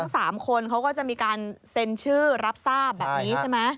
๓คนเขาก็จะมีการเซ็นชื่อรับทราบแบบนี้ใช่ไหม